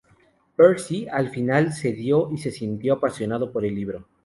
Percy al final cedió y se sintió apasionado por el libro.